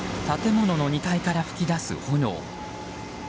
建物の２階から噴き出す炎。